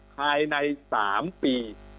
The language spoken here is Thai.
ภายใน๓ปี